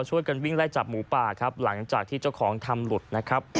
ช่วยกันวิ่งไล่จับหมูป่าครับหลังจากที่เจ้าของทำหลุดนะครับ